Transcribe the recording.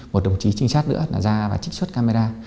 một đồng chí trinh sát nữa là ra và trích xuất camera